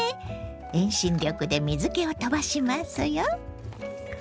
遠心力で水けを飛ばしますよ。